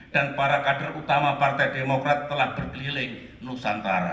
dan para kader utama partai demokrat telah berkeliling nusantara